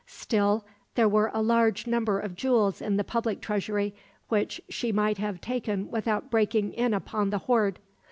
Still, there were a large number of jewels in the public treasury, which she might have taken without breaking in upon the hoard."